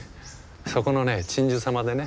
そこのね鎮守様でね。